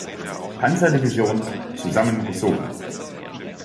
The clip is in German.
Panzer-Division, zusammengezogen.